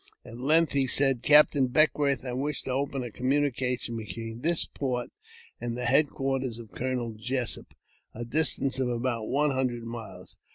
At length he said, "Captain Beckwourth, I wish to open a communication between this port and the headquarters of Colonel Jessup, distant about one hundred miles.